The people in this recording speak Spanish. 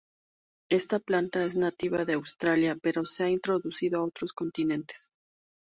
Esta planta es nativa de Australia, pero se ha introducido a otros continentes.